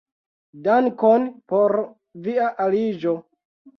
Dankon por via aliĝo!